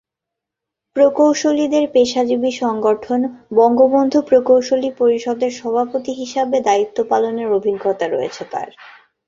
প্রকৌশলীদের পেশাজীবী সংগঠন বঙ্গবন্ধু প্রকৌশলী পরিষদের সভাপতি হিসেবে দায়িত্ব পালনের অভিজ্ঞতা রয়েছে তার।